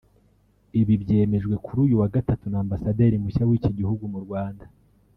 Ibi byemejwe kuri uyu wa Gatatu na Ambasaderi mushya w’iki gihugu mu Rwanda